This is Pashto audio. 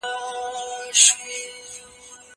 زه مخکي سبزېجات وچولي وو!!